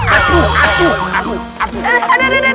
aduh aduh aduh